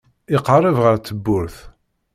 Iqerreb ɣer tewwurt.